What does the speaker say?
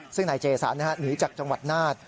ซึ่งนายเจสันหนีจากจังหวัดนาฏ